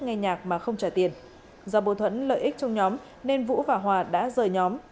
nghe nhạc mà không trả tiền do bộ thuẫn lợi ích trong nhóm nên vũ và hòa đã rời nhóm